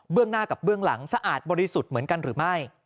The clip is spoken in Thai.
หน้ากับเบื้องหลังสะอาดบริสุทธิ์เหมือนกันหรือไม่